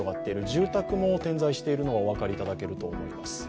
住宅も点在しているのがお分かりいただけると思います。